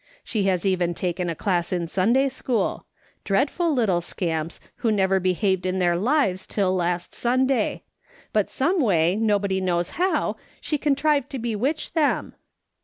She has even taken a class in Sunday school ; dreadful little scamps, who never behaved in their lives till last Sunday ; but some way, nobody knows how, she contrived to bewitch them.'